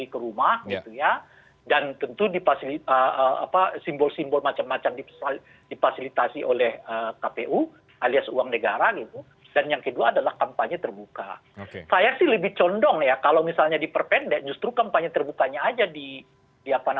kita bahas nanti usai jeda kami akan segera kembali